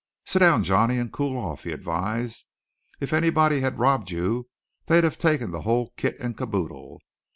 "Sit down, Johnny, and cool off," he advised. "If anybody had robbed you, they'd have taken the whole kit and kaboodle.